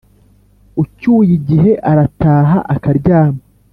ucyuye igihe arataha akaryama